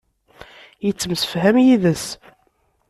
Yettemsefham yid-s.